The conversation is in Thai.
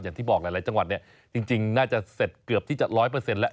อย่างที่บอกหลายจังหวัดเนี่ยจริงน่าจะเสร็จเกือบที่จะ๑๐๐แล้ว